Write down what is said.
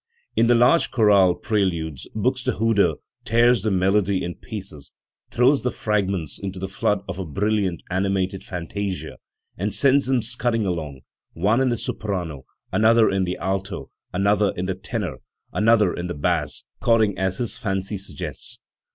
* In the large chorale preludes Buxtehude tears the melody in pieces, throws the fragments into the flood of a brilliant, animated fantasia, and sends them scudding along, one in the soprano, another in the alto, another in the tenor, another in the bass, according as his fancy suggests.